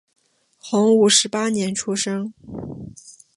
洪武十八年出生。